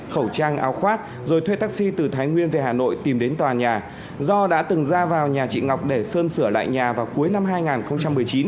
khẩu trang áo khoác rồi thuê taxi từ thái nguyên về hà nội tìm đến tòa nhà do đã từng ra vào nhà chị ngọc để sơn sửa lại nhà vào cuối năm hai nghìn một mươi chín